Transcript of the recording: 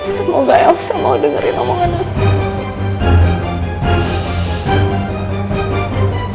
semoga elsa mau dengerin omongan